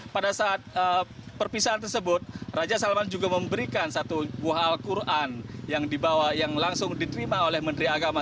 pada saat perpisahan tersebut raja salman juga memberikan satu buah al quran yang dibawa yang langsung diterima oleh menteri agama